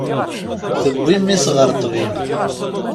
Tewwi mmi-s ɣer ṭṭbib.